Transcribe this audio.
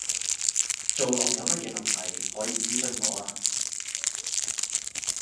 做落有乜嘢問題，可以諮詢我啊